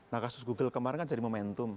nah kasus google kemarin kan jadi momentum